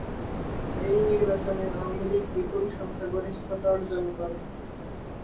এই নির্বাচনে আওয়ামী লীগ বিপুল সংখ্যাগরিষ্ঠতা অর্জন করে।